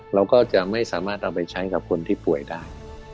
เราก็จะไม่สามารถเอาไปใช้กับคนที่ป่วยได้